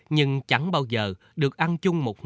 nhưng chẳng bao giờ được ăn chung một chút